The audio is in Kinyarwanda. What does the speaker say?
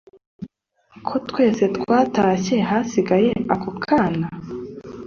Kotwese twatashye hagasigara ako kana.